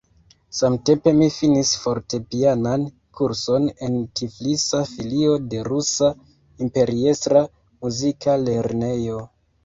Samtempe mi finis fortepianan kurson en Tiflisa filio de "Rusa Imperiestra muzika lernejo".